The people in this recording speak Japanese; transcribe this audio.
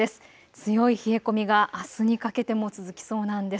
強い冷え込みがあすにかけても続きそうなんです。